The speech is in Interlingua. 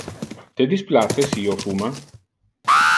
Te displace si io fuma?